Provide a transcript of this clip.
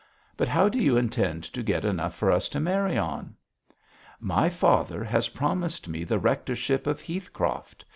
But how do you intend to get enough for us to marry on?' 'My father has promised me the rectorship of Heathcroft.